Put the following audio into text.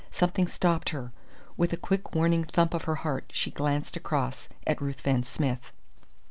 Something stopped her. With a quick warning thump of the heart she glanced across at Ruthven Smith.